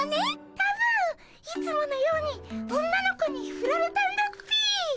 多分いつものように女の子にふられたんだっピイ。